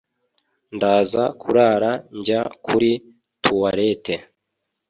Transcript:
Ndaza kurara njya kuri tuwarete